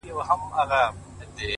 ښه دی چي ونه درېد ښه دی چي روان ښه دی!